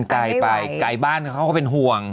ไกลไปไกลบ้านเขาก็เป็นห่วง